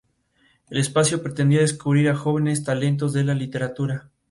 El espacio pretendía descubrir a jóvenes talentos de la literatura.